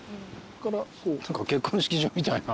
結婚式場みたいな。